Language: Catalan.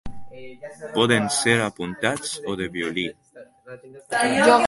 Poden ser apuntats o de violí.